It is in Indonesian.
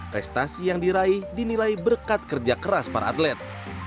prestasi yang diraih dinilai berkat kerja keras para atlet